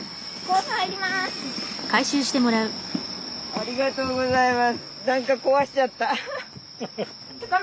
ありがとうございます。